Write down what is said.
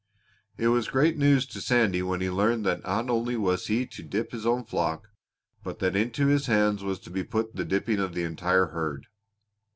It was great news to Sandy when he learned that not only was he to dip his own flock, but that into his hands was to be put the dipping of the entire herd.